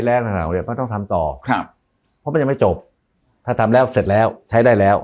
แล้วต้องงานท่านครอบครับเพราะมันยังไม่จบถ้าทำแล้วเสร็จแล้วใช้ได้แล้ว